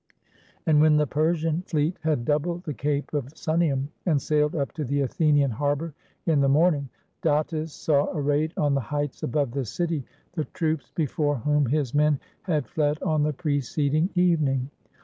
And when the Persian fleet had doubled the Cape of Sunium and sailed up to the Athenian harbor in the morning, Datis saw arrayed on the heights above the city the troops before whom his men had fled on the preceding evening.